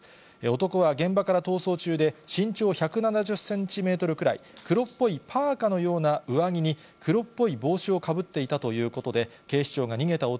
男は現場から逃走中で、身長１７０センチメートルくらい、黒っぽいパーカーのような上着に黒っぽい帽子をかぶっていたとい念のため、戸締まりなど、十分ご注意ください。